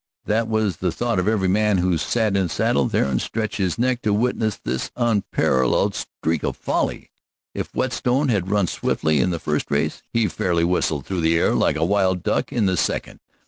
That was the thought of every man who sat a saddle there and stretched his neck to witness this unparalleled streak of folly. If Whetstone had run swiftly in the first race, he fairly whistled through the air like a wild duck in the second.